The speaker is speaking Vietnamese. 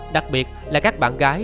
đặc biệt là các bạn gái